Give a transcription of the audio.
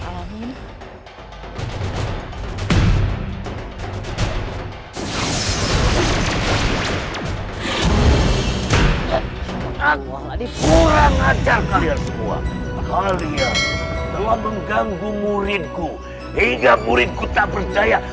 sampai jumpa di video selanjutnya